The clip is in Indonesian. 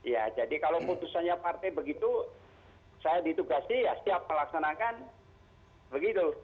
ya jadi kalau putusannya partai begitu saya ditugasi ya siap melaksanakan begitu